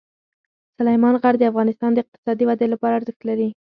سلیمان غر د افغانستان د اقتصادي ودې لپاره ارزښت لري.